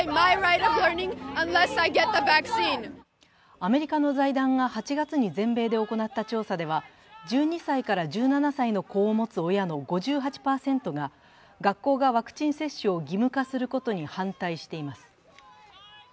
アメリカの財団が８月に全米で行った調査では、１２歳から１７歳の子を持つ親の５８％が学校がワクチン接種を義務化することに反対しています。